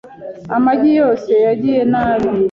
Amagi yose yagiye nabi .